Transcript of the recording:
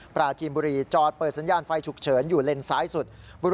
ปราจีนบุรีจอดเปิดสัญญาณไฟฉุกเฉินอยู่เลนซ้ายสุด